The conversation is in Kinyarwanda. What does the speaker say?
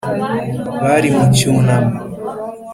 bari mu cyunamo